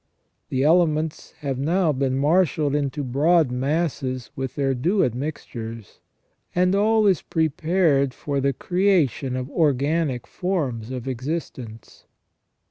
The ele ments have now been marshalled into broad masses with their due admixtures, and all is prepared for the creation of organic forms of existence.